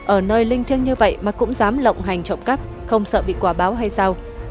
ở nơi linh thiêng như vậy mà cũng dám lộng hành trộm cắp không sợ bị quả báo hay sau